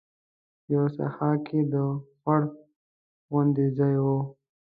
یوه ساحه کې د خوړ غوندې ځای و.